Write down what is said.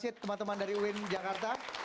terima kasih teman teman dari uin jakarta